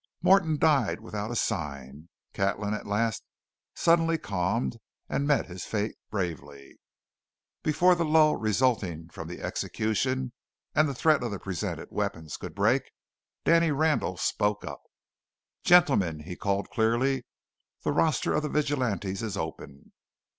Morton died without a sign. Catlin, at the last, suddenly calmed, and met his fate bravely. Before the lull resulting from the execution and the threat of the presented weapons could break, Danny Randall spoke up. "Gentlemen!" he called clearly. "The roster of the Vigilantes is open.